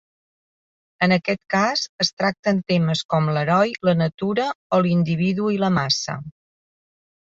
En aquest cas, es tracten temes com l'heroi, la natura o l'individu i la massa.